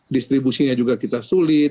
distribusinya juga kita sulit